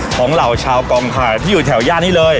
เหล่าชาวกองถ่ายที่อยู่แถวย่านนี้เลย